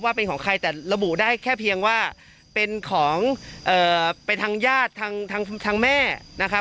เป็นของใครแต่ระบุได้แค่เพียงว่าเป็นของเอ่อไปทางญาติทางทางแม่นะครับ